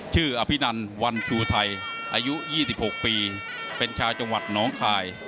อภินันวันชูไทยอายุ๒๖ปีเป็นชาวจังหวัดน้องคาย